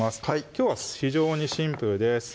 きょうは非常にシンプルです